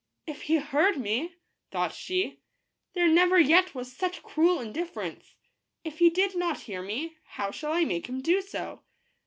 " If he heard me," thought she, "there never yet was such cruel indifference. If he did not hear me, how shall I make him do so?"